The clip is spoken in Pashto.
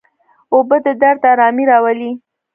اوبه د درد آرامي راولي.